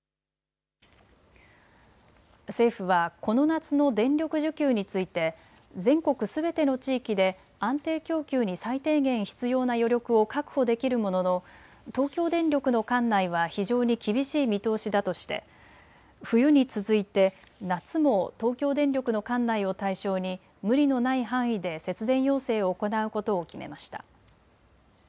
政府はこの夏の電力需給について全国すべての地域で安定供給に最低限必要な余力を確保できるものの東京電力の管内は非常に厳しい見通しだとして冬に続いて夏も東京電力の管内を対象に無理のない範囲で節電要請を行うことを決めました。